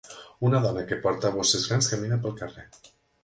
Una dona que porta bosses grans camina pel carrer.